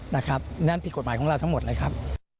นะครับนั้นพี่กฏหมายของเราทั้งหมดเลยครับ